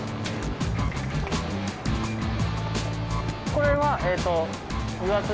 これはえっと。